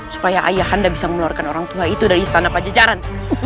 supaya ayah anda bisa mengeluarkan orang tua itu dari istana pajajaran